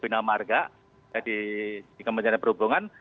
bina marga di kementerian perhubungan